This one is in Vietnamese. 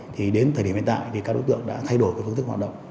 thì đến thời điểm hiện tại các đối tượng đã thay đổi phương tức hoạt động